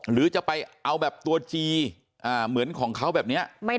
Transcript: หรือจะไปเอาแบบตัวจีเหมือนของเขาแบบนี้